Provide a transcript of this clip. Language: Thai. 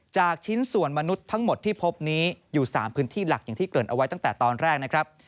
ชิ้นส่วนมนุษย์ทั้งหมดที่พบนี้อยู่๓พื้นที่หลักอย่างที่เกริ่นเอาไว้ตั้งแต่ตอนแรกนะครับ